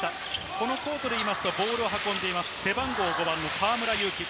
このコートでいうとボールを運んでいます、背番号５番の河村勇輝。